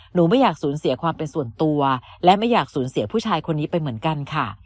ไม่อยากสูญเสียความเป็นส่วนตัวและไม่อยากสูญเสียผู้ชายคนนี้ไปเหมือนกันค่ะ